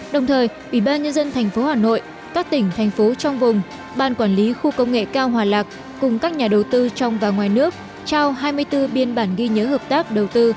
đồng thời ủy ban nhân dân tp hà nội các tỉnh thành phố trong vùng ban quản lý khu công nghệ cao hòa lạc cùng các nhà đầu tư trong và ngoài nước trao hai mươi bốn biên bản ghi nhớ hợp tác đầu tư